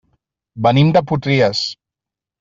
Venim de Potries.